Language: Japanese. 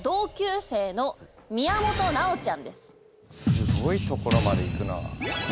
すごいところまでいくなあ。